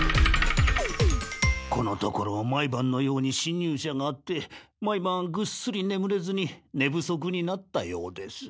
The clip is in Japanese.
このところ毎ばんのようにしん入者があって毎ばんぐっすりねむれずに寝不足になったようです。